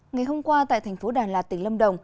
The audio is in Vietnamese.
ngày hôm qua tại thành phố đà lạt tỉnh lâm đồng